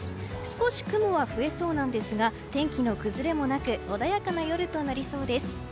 少し雲は増えそうなんですが天気の崩れもなく穏やかな夜となりそうです。